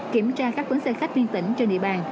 kiểm tra các vấn xe khách viên tỉnh trên địa bàn